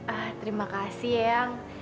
ah terima kasih eyang